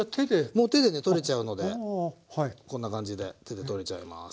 もう手でね取れちゃうのでこんな感じで手で取れちゃいます。